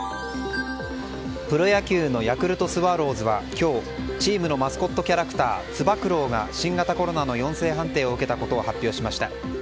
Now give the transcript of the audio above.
プロ野球のヤクルトスワローズは今日チームのマスコットキャラクターつば九郎が新型コロナの陽性判定を受けたことを発表しました。